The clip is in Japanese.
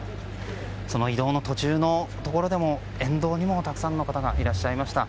その移動の途中の沿道にもたくさんの方がいらっしゃいました。